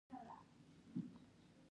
میناکاري په اصفهان کې کیږي.